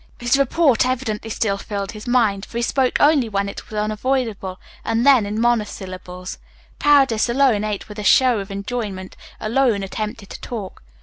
His report evidently still filled his mind, for he spoke only when it was unavoidable and then in monosyllables. Paredes alone ate with a show of enjoyment, alone attempted to talk.